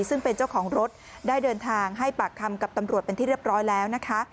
ซึ่งเป็นเจ้าของรถได้เดินทางให้ปากคำกับตำรวจเป็นที่เรียบร้อยแล้วนะคะ